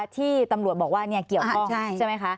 ที่ตำรวจบอกว่าเกี่ยวข้องใช่ไหมคะ